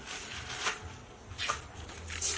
ก็ประมาณสี่ตัวโล